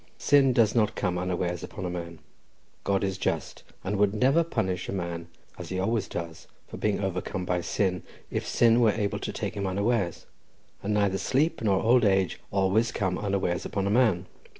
Sin does not come unawares upon a man; God is just, and would never punish a man as He always does for being overcome by sin, if sin were able to take him unawares; and neither sleep nor old age always come unawares upon a man.